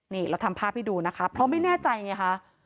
นี่เราทำภาพให้ดูนะคะเพราะไม่แน่ใจไงคะ